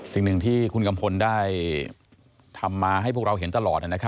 สิ่งหนึ่งที่คุณกัมพลได้ทำมาให้พวกเราเห็นตลอด